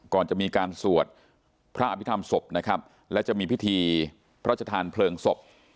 ก่อนจะมีการสวดพระอภิษฐรรมศพนะครับและจะมีพิธีพระชธานเพลิงศพ